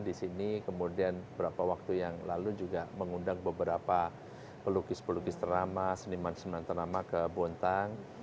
di sini kemudian beberapa waktu yang lalu juga mengundang beberapa pelukis pelukis terama seniman seniman ternama ke bontang